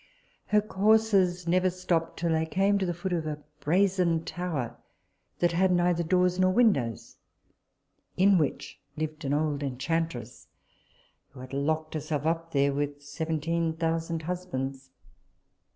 Her coursers never stopped till they came to the foot of a brazen tower, that had neither doors nor windows, in which lived an old enchantress, who had locked herself up there with seventeen thousand husbands.